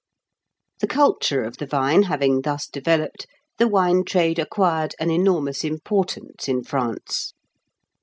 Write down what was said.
The culture of the vine having thus developed, the wine trade acquired an enormous importance in France.